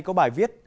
có bài viết